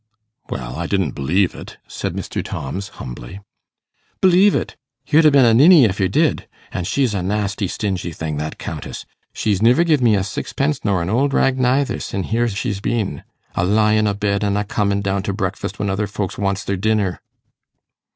'Well, I didn't b'lieve it,' said Mr. Tomms, humbly. 'B'lieve it? you'd ha' been a ninny if yer did. An' she's a nasty, stingy thing, that Countess. She's niver giv me a sixpence nor an old rag neither, sin' here's she's been. A lyin' a bed an a comin' down to breakfast when other folks wants their dinner!